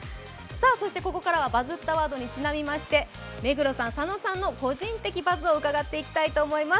そしてここからはバズったワードにちなみまして、目黒さん、佐野さんの個人的バズを伺っていきたいと思います。